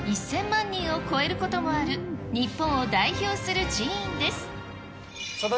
年間の参拝者数が１０００万人を超えることもある、日本を代表する寺院です。